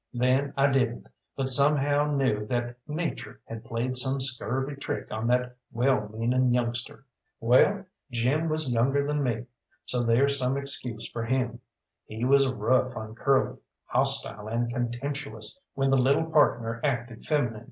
Then I didn't, but somehow knew that Nature had played some scurvy trick on that well meaning youngster. Well, Jim was younger than me, so there's some excuse for him. He was rough on Curly hostile and contemptuous when the little partner acted feminine.